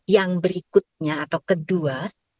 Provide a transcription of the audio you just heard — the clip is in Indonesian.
yang berikutnya atau kedua